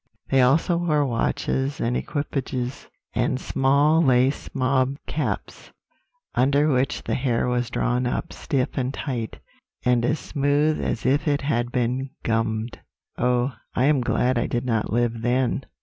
They also wore watches, and equipages, and small lace mob caps, under which the hair was drawn up stiff and tight, and as smooth as if it had been gummed." "Oh, I am glad I did not live then!"